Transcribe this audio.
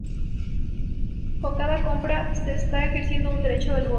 Con cada compra se está ejerciendo un derecho al voto.